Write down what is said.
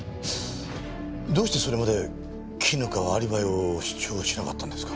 どうしてそれまで絹香はアリバイを主張しなかったんですか？